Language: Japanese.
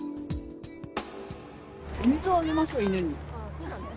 お水あげましょう、犬に。